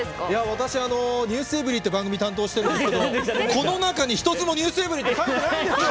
私「ｎｅｗｓｅｖｅｒｙ．」を担当してるんですけどこの中に一つも「ｎｅｗｓｅｖｅｒｙ．」って書いてないんですよ！